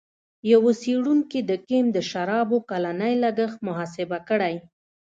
یوه څېړونکي د کیم د شرابو کلنی لګښت محاسبه کړی.